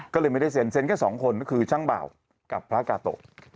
ก็เลยไม่ได้เซ็นเซ็นแค่สองคนก็คือช่างบ่าวกับพระกาโตะ